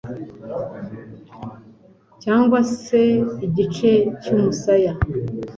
cyangwa se igice cy'umusaya